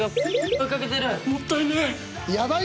もったいない。